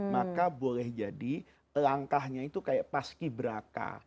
maka boleh jadi langkahnya itu kayak paski beraka